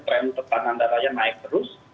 tren tekanan darahnya naik terus